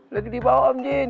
lagi dibawah om jin